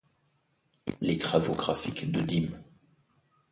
Les travaux graphiques de Dim.